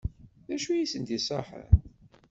D acu i sent-d-iṣaḥen?